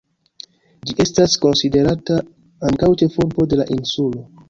Ĝi estas konsiderata ankaŭ ĉefurbo de la insulo.